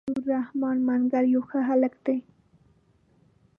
نور رحمن منګل يو ښه هلک دی.